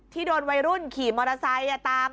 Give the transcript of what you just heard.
โดนวัยรุ่นขี่มอเตอร์ไซค์ตาม